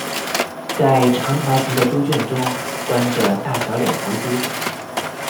在长条形的猪圈中关着大小两头猪。